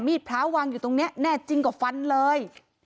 พระวางอยู่ตรงนี้แน่จริงกว่าฟันเลย